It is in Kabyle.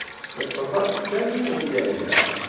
Yeqḍa-d Sami i Layla.